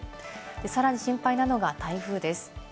さらに心配なのが台風です。